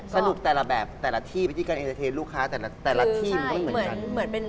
สนุกแต่ละแบบแต่ละที่พฤติการเอนเตอร์เทสลูกค้าแต่ละที่มันก็ไม่เหมือนกัน